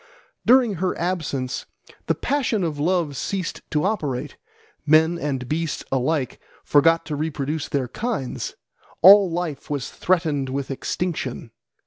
During her absence the passion of love ceased to operate: men and beasts alike forgot to reproduce their kinds: all life was threatened with extinction.